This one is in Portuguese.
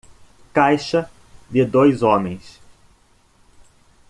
Caixa de dois homens.